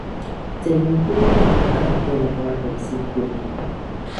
Tinima kuli nyara ka a be la bɔriginsim polo ni.